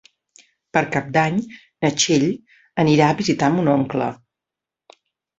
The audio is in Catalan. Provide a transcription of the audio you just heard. Per Cap d'Any na Txell anirà a visitar mon oncle.